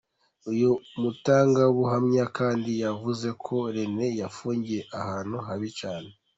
Uyu mutangabuhamya kandi yavuze ko Rene yafungiwe ahantu habi cyane.